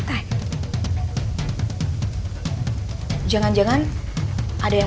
mas joko kena fitnah